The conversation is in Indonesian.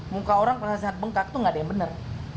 muka orang pada saat bengkak tuh gak ada yang bener